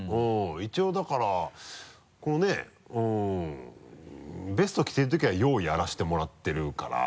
一応だからこのねベスト着てる時は陽をやらせてもらってるから。